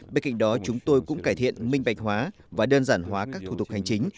bên cạnh đó chúng tôi cũng cải thiện minh bạch hóa và đơn giản hóa các thủ tục hành chính